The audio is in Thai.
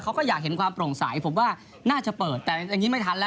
เขาก็อยากเห็นความโปร่งใสผมว่าน่าจะเปิดแต่อย่างนี้ไม่ทันแล้ว